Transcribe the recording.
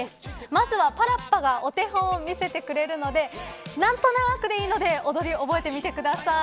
まずはパラッパがお手本を見せてくれるので何となくでいいので踊りを覚えてみてください。